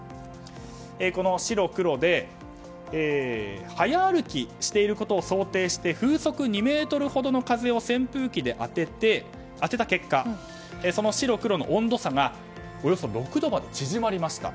白、黒で早歩きしていることを想定して風速２メートルほどの風を扇風機で当てた結果その白黒の温度差がおよそ６度まで縮まりました。